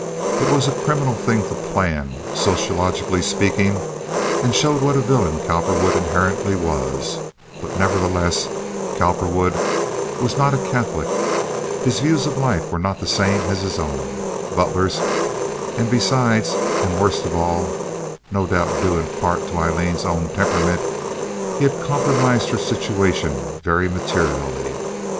It was a criminal thing to plan, sociologically speaking, and showed what a villain Cowperwood inherently was; but, nevertheless, Cowperwood was not a Catholic, his views of life were not the same as his own, Butler's, and besides and worst of all (no doubt due in part to Aileen's own temperament), he had compromised her situation very materially.